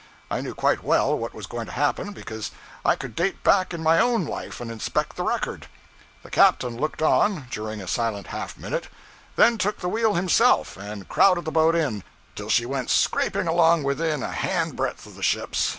I knew quite well what was going to happen, because I could date back in my own life and inspect the record. The captain looked on, during a silent half minute, then took the wheel himself, and crowded the boat in, till she went scraping along within a hand breadth of the ships.